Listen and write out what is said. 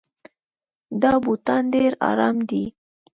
دا بوټان ډېر ارام دي.